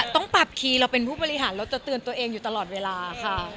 ต้องปรับคีย์เราเป็นผู้บริหารเราจะเตือนตัวเองอยู่ตลอดเวลาค่ะ